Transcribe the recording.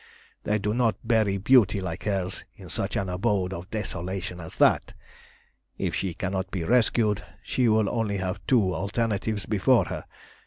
They do not bury beauty like hers in such an abode of desolation as that. If she cannot be rescued, she will only have two alternatives before her.